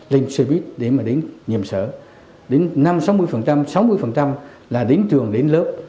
linh xe buýt đến mà đến nhiệm sở đến năm sáu mươi sáu mươi là đến trường đến lớp